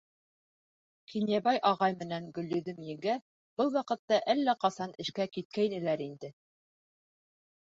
Кинйәбай ағай менән Гөлйөҙөм еңгә был ваҡытта әллә ҡасан эшкә киткәйнеләр инде.